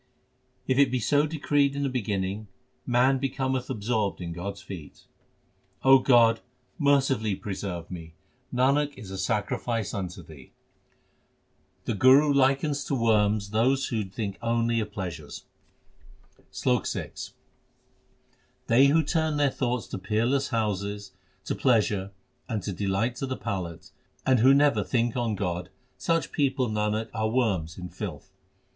If it be so decreed in the beginning, man becometh absorbed in God s feet. O God, mercifully preserve me ; Nanak is a sacrifice unto Thee. 374 THE SIKH RELIGION The Guru likens to worms those who only think of pleasures : SLOK VI They who turn their thoughts to peerless houses, to pleasures, and to delights of the palate, And who never think on God such people, Nanak, are worms in filth.